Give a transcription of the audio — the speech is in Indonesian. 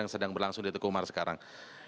yang sedang berlangsung di tukumar sekarang